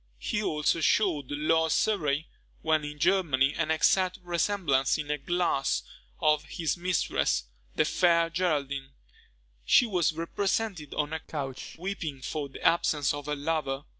He also shewed Lord Surrey, when in Germany, an exact resemblance in a glass of his mistress, the fair Geraldine. She was represented on a couch weeping for the absence of her lover.